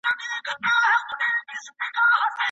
که انسان په خپله ستونزه پوه سي نو د حل هڅه کوي.